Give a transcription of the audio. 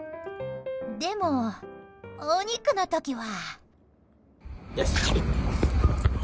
でも、お肉の時は。